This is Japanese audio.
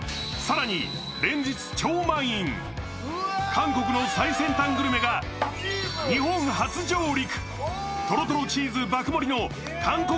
韓国の最先端グルメが日本初上陸。